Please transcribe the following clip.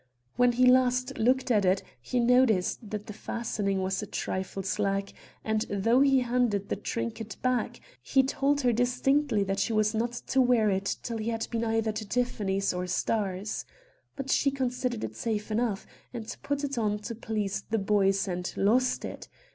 When he last looked at it he noticed that the fastening was a trifle slack and, though he handed the trinket back, he told her distinctly that she was not to wear it till it had been either to Tiffany's or Starr's. But she considered it safe enough, and put it on to please the boys, and lost it.